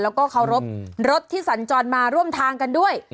แล้วก็เคารพรถที่สัญจรมาร่วมทางกันด้วย